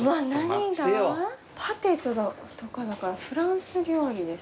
「パテド」とかだからフランス料理ですかね。